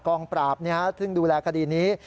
กองปราบซึ่งดูแลคดีนี้